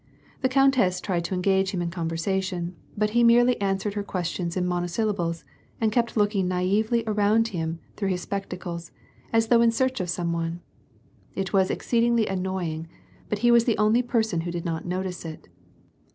The countess tried to engage him in conversation, but he merely * Bdlyushka, littlo father. n 70 WAR AND PEACE. answered lier questions in monosyllables and kept looking naively around him through his spectacles, as though in search of some one. It was exceedingly annoying, but he was the only person who did not notice it.